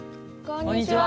こんにちは。